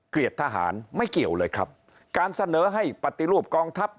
เกลียดทหารไม่เกี่ยวเลยครับการเสนอให้ปฏิรูปกองทัพ